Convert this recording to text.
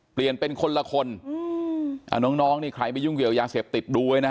เปลี่ยนเป็นอย่างนี้เลยครับ